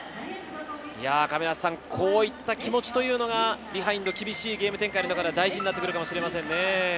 こういった気持ちというのが厳しいゲーム展開の中では大事になってくるかもしれないですね。